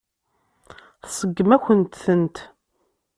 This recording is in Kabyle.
Tseggem-akent-tent.